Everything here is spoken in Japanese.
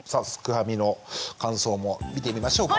ファミの感想も見てみましょうか。